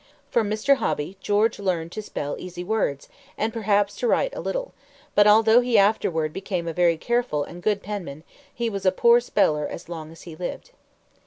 From Mr. Hobby, George learned to spell easy words, and perhaps to write a little; but, although he afterward became a very careful and good penman, he was a poor speller as long as he lived.